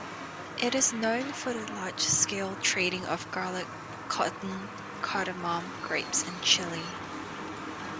It is known for the large-scale trading of garlic, cotton, cardamom, grapes and chilli.